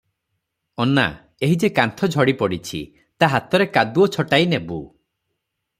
ଅନା, ଏହି ଯେ କାନ୍ଥ ଝଡ଼ି ପଡିଛି, ତା ହାତରେ କାଦୁଅ ଛଟାଇ ନେବୁ ।